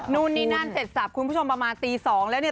นั่นนั่นเสร็จสับครุงคุณผู้ชมประมาณตีสองแล้วเนี่ย